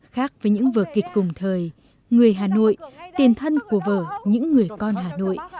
khác với những vợ kịch cùng thời người hà nội tiền thân của vợ những người con hà nội